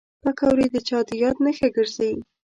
پکورې د چا د یاد نښه ګرځي